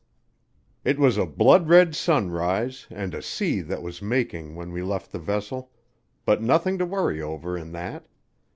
IV It was a blood red sunrise and a sea that was making when we left the vessel, but nothing to worry over in that.